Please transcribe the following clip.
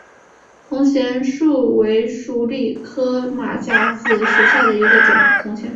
铜钱树为鼠李科马甲子属下的一个种。